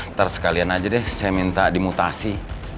ntar sekalian aja deh saya minta dimutasi